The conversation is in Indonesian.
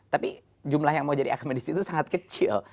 tapi jumlah yang mau jadi akamedis itu sangat kecil